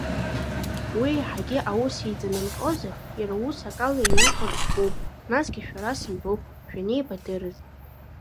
Уи еиҳагьы аус еиҵанамҟьозар, иара ус акала иухәартә збом, насгьы шәара сынтәоуп шәанеибадырбаз.